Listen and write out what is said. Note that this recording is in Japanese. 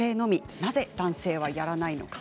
なぜ男性はやらないのか。